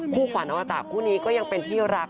ขวัญอมตะคู่นี้ก็ยังเป็นที่รัก